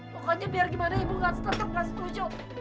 pokoknya biar gimana ibu tetap nggak setuju